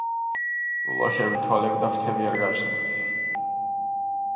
ულვაშები, თვალები და ფრთები არ გააჩნიათ.